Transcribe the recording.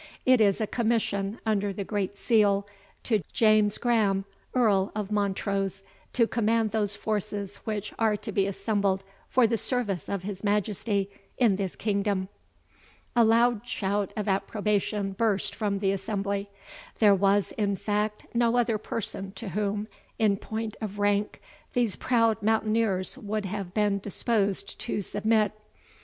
It is a commission under the great seal, to James Graham, Earl of Montrose, to command those forces which are to be assembled for the service of his Majesty in this kingdom." A loud shout of approbation burst from the assembly. There was, in fact, no other person to whom, in point of rank, these proud mountaineers would have been disposed to submit.